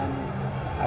ada juga kacang